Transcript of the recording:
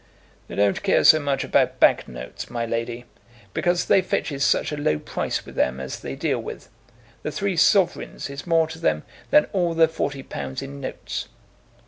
"They don't care so much about banknotes, my lady, because they fetches such a low price with them as they deal with. The three sovereigns is more to them than all the forty pounds in notes."